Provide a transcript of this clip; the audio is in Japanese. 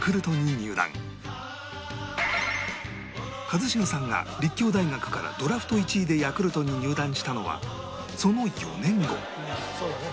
一茂さんが立教大学からドラフト１位でヤクルトに入団したのはその４年後